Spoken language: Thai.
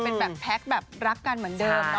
เป็นแบบแพ็คแบบรักกันเหมือนเดิมนะ